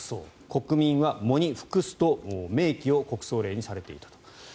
国民は喪に服すと国葬令に明記されていたと。